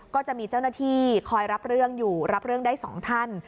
ก็จะมีเจ้าหน้าที่คอยรับเรื่องอยู่รับเรื่องได้๒ท่าน